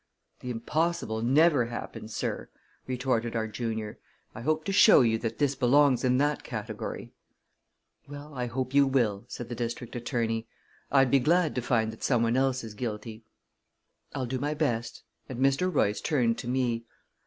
"The impossible never happens, sir!" retorted our junior. "I hope to show you that this belongs in that category." "Well, I hope you will," said the district attorney. "I'd be glad to find that someone else is guilty." "I'll do my best," and Mr. Royce turned to me.